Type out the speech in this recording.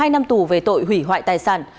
hai năm tù về tội hủy hoại tài sản